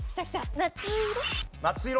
「夏色」？